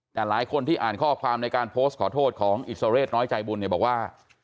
แต่หลายคนที่อ่านข้อความในการโพสต์ขอโทษของอิสรเศษน้อยใจบุญเนี่ยบอกว่า